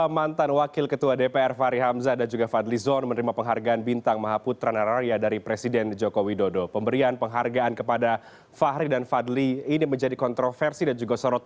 kepada keduanya malam hari ini sudah hadir di studio cnn indonesia newscast